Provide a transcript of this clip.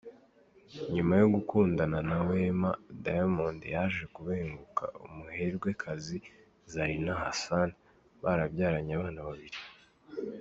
Nyuma yo gukundana na Wema Diamond yaje kubenguka umuherwekazi Zarinah Hassan barabyaranye abana babiri.